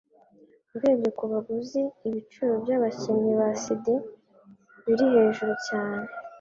Urebye kubaguzi, ibiciro byabakinnyi ba CD biri hejuru cyane.